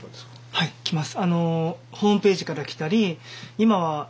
はい来ます。